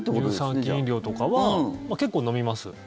乳酸菌飲料とかは結構、飲みます。